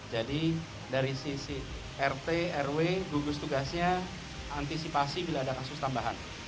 jadi dari sisi rt rw gugus tugasnya antisipasi bila ada kasus tambahan